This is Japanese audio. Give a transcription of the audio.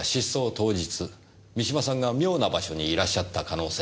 当日三島さんが妙な場所にいらっしゃった可能性が出てきまして。